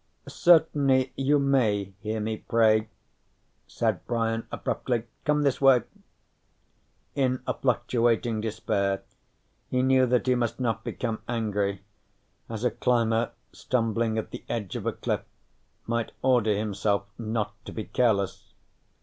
_ "Certainly you may hear me pray," said Brian abruptly. "Come this way." In a fluctuating despair, he knew that he must not become angry, as a climber stumbling at the edge of a cliff might order himself not to be careless.